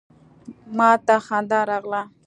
ما ته خندا راغله.